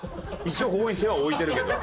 一応ここに手は置いてるけど。